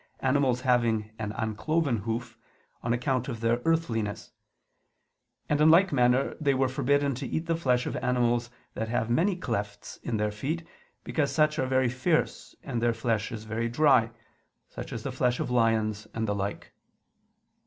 animals having an uncloven hoof, on account of their earthiness; and in like manner they were forbidden to eat the flesh of animals that have many clefts in their feet, because such are very fierce and their flesh is very dry, such as the flesh of lions and the like.